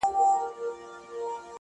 • زړه د اسیا ومه ثاني جنت وم..